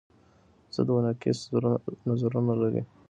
ضد و نقیص نظرونه لري